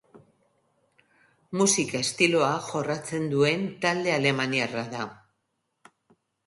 Musika estiloa jorratzen duen talde alemaniarra da.